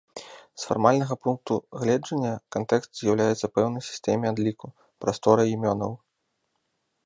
З фармальнага пункту гледжання кантэкст з'яўляецца пэўнай сістэме адліку, прасторай імёнаў.